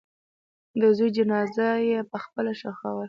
د زوی جنازه یې پخپله ښخوله.